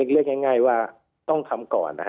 เรียกง่ายว่าต้องทำก่อนนะฮะ